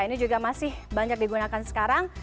ini juga masih banyak digunakan sekarang